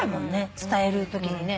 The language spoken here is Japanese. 伝えるときにね。